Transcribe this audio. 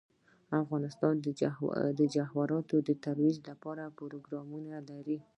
افغانستان د جواهرات د ترویج لپاره پروګرامونه لري.